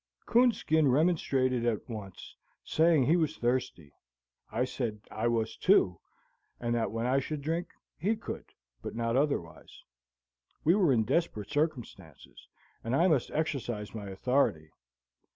Coonskin remonstrated at once, saying he was thirsty. I said I was, too, and that when I should drink, he could, but not otherwise. We were in desperate circumstances, and I must exercise my authority.